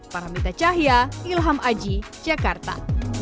paramita cahya ilham aji jakarta